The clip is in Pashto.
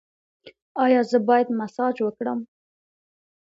ایا زه باید مساج وکړم؟